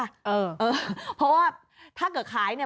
เพราะว่าถ้าเกิดขายเนี่ย